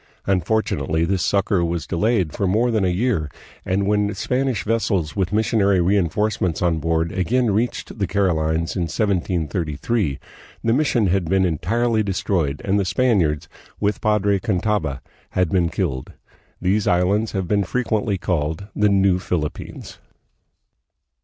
Unfortunately, this succor was de layed for more than a year, and when Spanish vessels with missionary reinforcements on board again reached the Carolines in 1733, the mission had been entirely de stroyed and the Spaniards, with Padre Cantava, had been killed. These islands have been frequently called the "New Philippines."